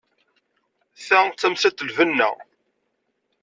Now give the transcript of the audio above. Ta d tamsalt n lbenna.